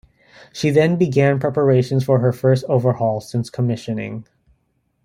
She then began preparations for her first overhaul since commissioning.